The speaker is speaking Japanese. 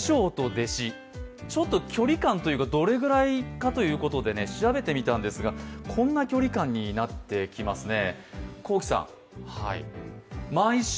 弟子ちょっと距離感というかどれぐらいかということで調べてみたんですがこんな距離感になってきますね。